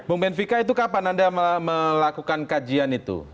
bu benvika itu kapan anda melakukan kajian itu